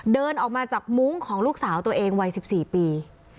เดินออกมาจากมุ้งของลูกสาวตัวเองวัย๑๔ปี